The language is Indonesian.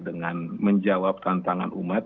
dengan menjawab tantangan umat